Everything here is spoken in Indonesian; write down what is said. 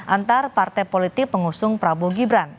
antar partai politik pengusung prabowo gibran